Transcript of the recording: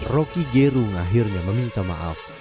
roky gerung akhirnya meminta maaf